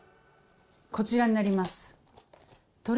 こちらになります。